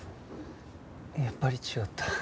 やっぱり違った。